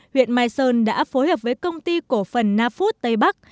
huyện mai sơn đã phối hợp với công ty cổ phần nafut tây bắc